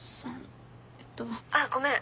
☎あっごめん。